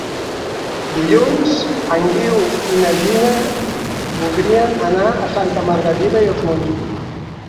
Dilluns en Guiu i na Gina voldrien anar a Santa Margarida i els Monjos.